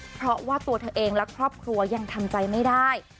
เพราะว่าตัวเธอเองและครอบครัวยังทำใจไม่ได้